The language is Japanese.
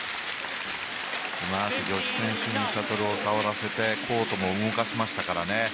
うまく女子選手にシャトルを触らせてコートも動かしましたからね。